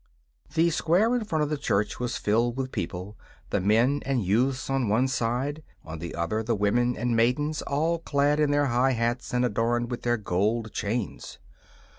The square in front of the church was filled with people, the men and youths on one side, on the other the women and maidens all clad in their high hats and adorned with their gold chains.